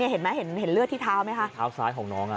เห็นไหมเห็นเลือดที่เท้าไหมคะเท้าซ้ายของน้อง